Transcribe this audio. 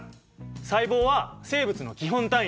細胞は生物の基本単位だからね。